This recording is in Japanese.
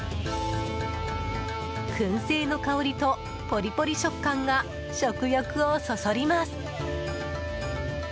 燻製の香りとポリポリ食感が食欲をそそります。